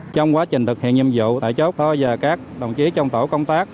trong quá trình thực hiện nhiệm vụ tại chốt tôi và các đồng chí trong tổ công tác